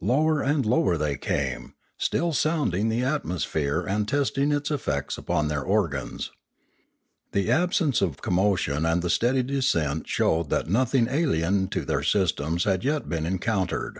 Lower and lower they came, still sounding the atmo sphere and testing its effects upon their organs. The absence of commotion and the steady descent showed that nothing alien to their systems had yet been en countered.